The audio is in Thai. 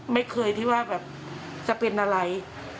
ไม่เคยที่ว่าแบบจะเป็นอะไร